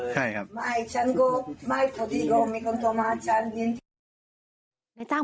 ค่าไม่มีใครมาให้แต่มันใจเราเลย